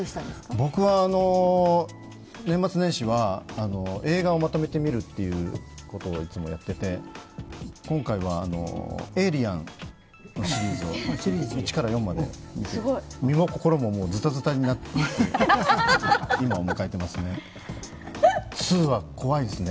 僕は年末年始は映画をまとめて見るということをいつもやっていて今回は「エイリアン」のシリーズを１から４まで見て、身も心もずたずたになって、今を迎えていますね。